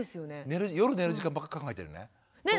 夜寝る時間ばっか考えてるね。